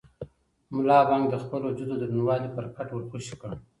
ملا بانګ د خپل وجود دروندوالی پر کټ ور خوشې کړ.